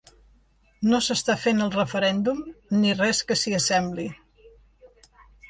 No s’està fent el referèndum ni res que s’hi assembli.